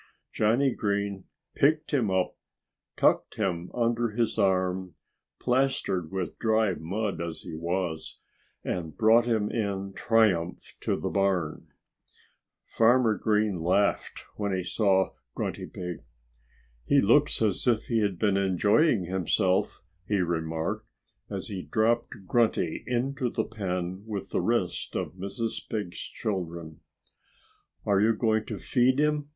Johnnie Green picked him up, tucked him under his arm plastered with dried mud as he was and brought him in triumph to the barn. Farmer Green laughed when he saw Grunty Pig. "He looks as if he had been enjoying himself," he remarked as he dropped Grunty into the pen with the rest of Mrs. Pig's children. "Are you going to feed him?"